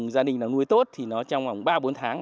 gia đình nó nuôi tốt thì nó trong vòng ba bốn tháng